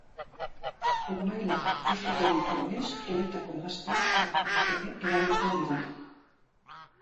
Urmaelak gustuko dituenez uretako hegaztiak harrapatzeko ere erabiltzen dira.